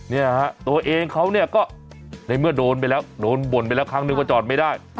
เนี่ยฮะตัวเองเขาเนี่ยก็ในเมื่อโดนไปแล้วโดนบ่นไปแล้วครั้งนึงว่าจอดไม่ได้